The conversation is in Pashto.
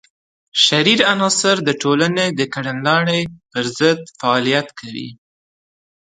شریر عناصر د ټولنې د کړنلارې پر ضد فعالیت کوي.